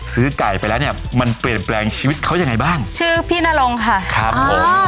ซื้อไก่ไปแล้วเนี่ยมันเปลี่ยนแปลงชีวิตเขายังไงบ้างชื่อพี่นรงค่ะครับผม